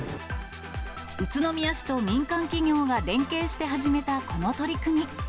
宇都宮市と民間企業が連携して始めたこの取り組み。